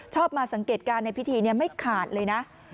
มาสังเกตการณ์ในพิธีไม่ขาดเลยนะ